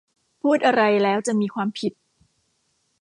พูดอะไรแล้วจะมีความผิด